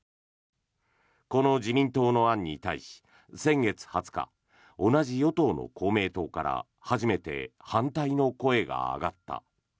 この自民党の案に対し先月２０日同じ与党の公明党から初めて反対の声が上がった。